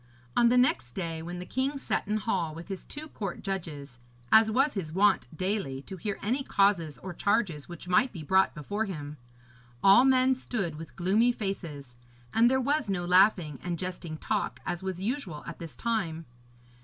On the next day, when the king sat in hall with his two court judges, as was his wont daily, to hear any causes or charges which might be brought before him, all men stood with gloomy faces, and there was no laughing and jesting talk, as was usual at this time.